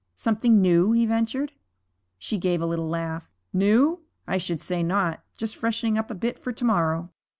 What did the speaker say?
'Something new?' he ventured. She gave a little laugh. 'New? I should say not. Just freshening up a bit for to morrow.'